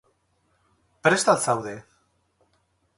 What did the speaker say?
Prest al zaude?